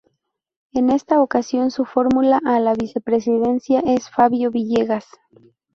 En esta ocasión su fórmula a la vicepresidencia es Fabio Villegas.